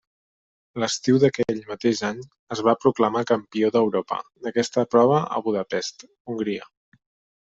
L'estiu d'aquell mateix any es va proclamar campió d'Europa d'aquesta prova a Budapest, Hongria.